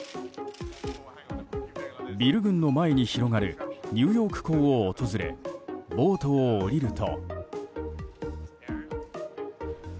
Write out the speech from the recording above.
ビル群の前に広がるニューヨーク港を訪れボートを降りると。